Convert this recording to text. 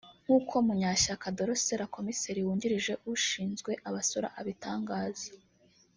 nk’uko Mukashyaka Drocelle komiseri wungirije ushinzwe abasora abitangaza